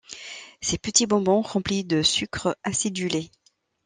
Ces petits bonbons remplis de sucre acidulé.